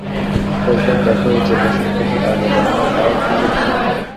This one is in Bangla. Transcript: শেষবার দেখা হয়েছে, বছর দশেক আগে লন্ডনে, তাও একটি ছবির শুটিংয়ে।